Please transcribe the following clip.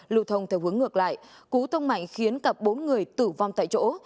lưu thông theo hướng ngược lại cú tông mạnh khiến cả bốn người tử vong tại chỗ